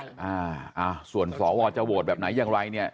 อ่าส่วนสวจะโหวตแบบไหนอย่างไรเนี่ย